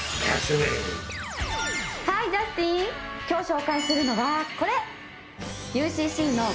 今日紹介するのはこれ！